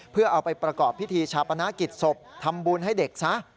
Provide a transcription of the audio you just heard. เพื่อเอาไปประกอบพิธีชาปนกิจศพทำบุญให้เด็กซะ